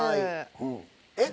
えっ？